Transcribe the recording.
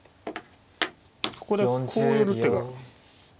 ここでこう寄る手がある。